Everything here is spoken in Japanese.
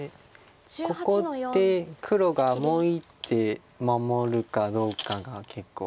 ここで黒がもう１手守るかどうかが結構。